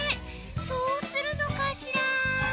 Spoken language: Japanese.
どうするのかしら？